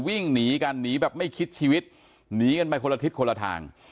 วิ่งหนีกันหนีแบบไม่คิดชีวิตหนีกันไปคนละทิศคนละทาง